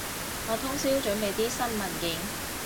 我通宵準備啲新文件